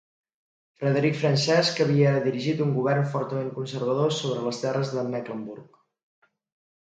Frederic Francesc havia dirigit un govern fortament conservador sobre les terres de Mecklenburg.